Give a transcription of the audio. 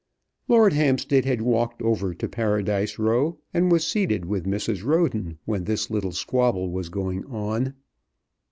Lord Hampstead had walked over to Paradise Row, and was seated with Mrs. Roden when this little squabble was going on.